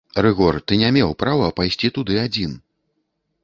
Рыгор, ты не меў права пайсці туды адзін!